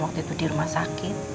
waktu itu di rumah sakit